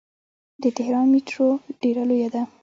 د تهران میټرو ډیره لویه ده.